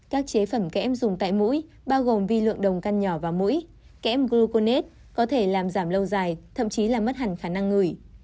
các chế phẩm kém dùng tại mũi bao gồm vi lượng đồng căn nhỏ và mũi kẽm gronet có thể làm giảm lâu dài thậm chí là mất hẳn khả năng ngửi